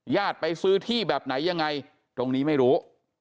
ไปซื้อที่แบบไหนยังไงตรงนี้ไม่รู้